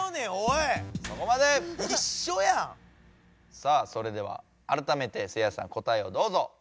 さあそれではあらためてせいやさん答えをどうぞ。